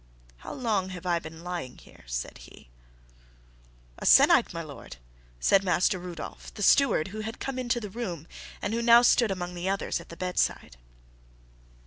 "How long have I been lying here?" said he. "A sennight, my lord," said Master Rudolph, the steward, who had come into the room and who now stood among the others at the bedside.